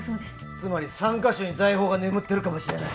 つまり３カ所に財宝が眠ってるかもしれない